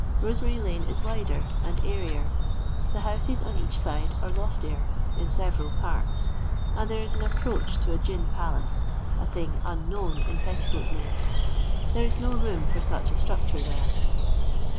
Rosemary lane is wider and airier, the houses on each side are loftier (in se veral parts), and there is an approach to a gin palace, a thing unknown in Petticoat lane : there is no room for such a structure there.